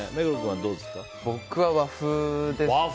僕は和風ですね。